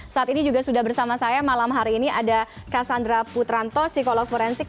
saat ini juga sudah bersama saya malam hari ini ada cassandra putranto psikolog forensik